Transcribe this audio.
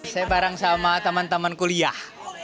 saya bareng sama teman teman kuliah